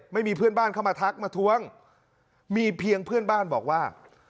ไม่มีเพื่อนบ้านเข้ามาทักมาทวงมีเพียงเพื่อนบ้านบอกว่า